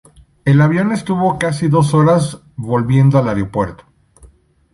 El avión estuvo casi dos horas volviendo al aeropuerto.